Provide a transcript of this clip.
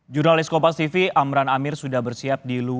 jurnalis kompas tv amran amir sudah bersiap di luar